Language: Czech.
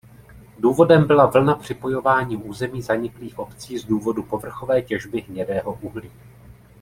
Důvodem byla vlna připojování území zaniklých obcí z důvodu povrchové těžby hnědého uhlí.